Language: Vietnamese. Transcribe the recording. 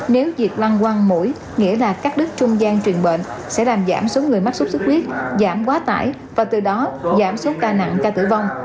nếu việc lăn quăng mũi nghĩa là các đứt trung gian truyền bệnh sẽ làm giảm số người mắc sốt sốt huyết giảm quá tải và từ đó giảm số ca nặng ca tử vong